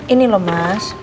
ini loh mas